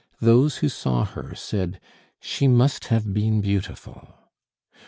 Those who saw her said, "She must have been beautiful!"